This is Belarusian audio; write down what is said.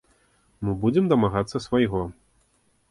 Мы будзем дамагацца свайго.